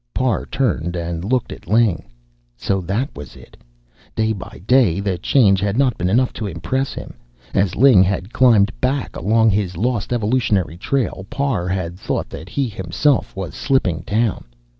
Parr turned and looked at Ling. So that was it! Day by day, the change had not been enough to impress him. As Ling had climbed back along his lost evolutionary trail, Parr had thought that he himself was slipping down....